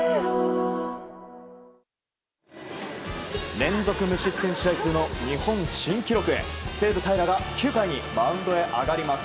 連続無失点試合数の日本新記録西武、平良が９回にマウンドに上がります。